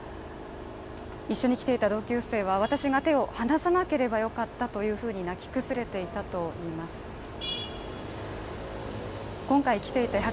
一緒に来ていた同級生は、私が手を離さなければよかったと泣き崩れていたといいます。